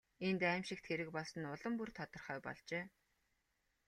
Энд аймшигт хэрэг болсон нь улам бүр тодорхой болжээ.